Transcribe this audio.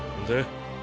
で？